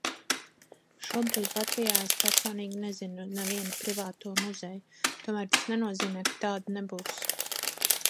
Šobrīd Latvijā es personīgi nezinu nevienu privāto muzeju, tomēr tas nenozīmē, ka tādu nebūs.